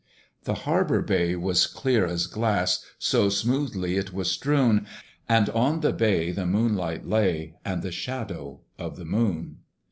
The harbour bay was clear as glass, So smoothly it was strewn! And on the bay the moonlight lay, And the shadow of the moon.